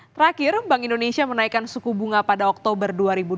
terakhir bank indonesia menaikkan suku bunga pada oktober dua ribu dua puluh